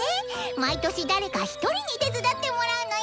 毎年誰か１人に手伝ってもらうのよ。